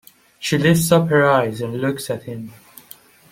She lifts up her eyes and looks at him.